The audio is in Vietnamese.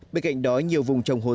bên cạnh đó nhiều vùng trồng hồ tiêu